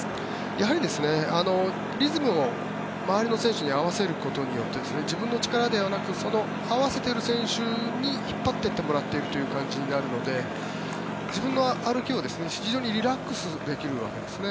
やはりリズムを周りの選手に合わせることによって自分の力ではなく合わせている選手に引っ張っていってもらうという感じになるので自分の歩きを非常にリラックスできるわけですね。